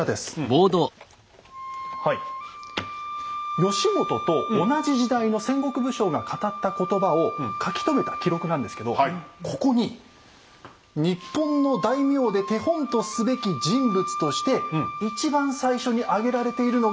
義元と同じ時代の戦国武将が語った言葉を書き留めた記録なんですけどここに「日本の大名で手本とすべき人物」として一番最初に挙げられているのが。